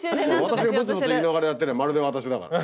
私がぶつぶつ言いながらやってればまるで私だから。